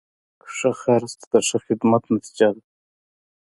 ښه خرڅ د ښه خدمت نتیجه ده.